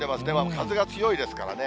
風が強いですからね。